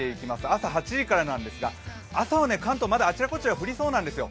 朝８時からですが朝はまだ関東、あちらこちら降りそうなんですよ。